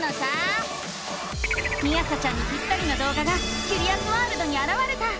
みあさちゃんにぴったりの動画がキュリアスワールドにあらわれた！